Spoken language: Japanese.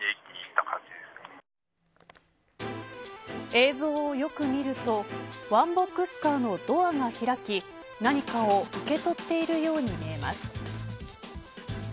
映像をよく見るとワンボックスカーのドアが開き何かを受け取っているように見えます。